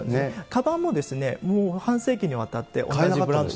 かばんも、もう半世紀にわたって同じブランド。